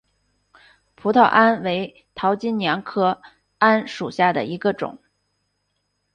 葡萄桉为桃金娘科桉属下的一个种。